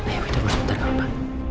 ayo kita berbual sebentar gak apa apa